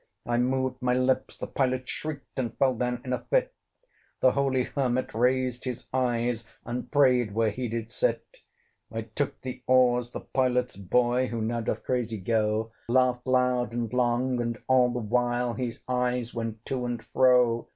I moved my lips the Pilot shrieked And fell down in a fit; The holy Hermit raised his eyes, And prayed where he did sit. I took the oars: the Pilot's boy, Who now doth crazy go, Laughed loud and long, and all the while His eyes went to and fro.